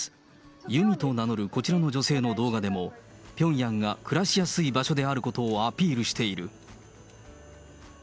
ユミと名乗るこちらの女性の動画でも、ピョンヤンが暮らしやすい場所であることをアピールしている。